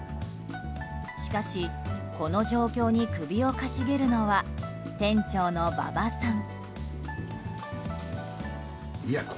しかしこの状況に首をかしげるのは店長の馬場さん。